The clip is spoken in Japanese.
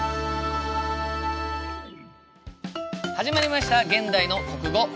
始まりました「現代の国語」。